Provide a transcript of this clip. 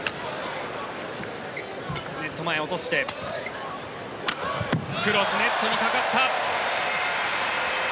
ネット前、落としてクロス、ネットにかかった。